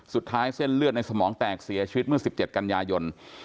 เส้นเลือดในสมองแตกเสียชีวิตเมื่อ๑๗กันยายน